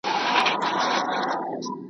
مرغکۍ دلته ګېډۍ دي د اغزیو .